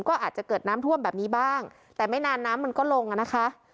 ก็อาจจะเกิดน้ำท่วมแบบนี้บ้างแต่ไม่นานน้ำมันก็ลงอ่ะนะคะ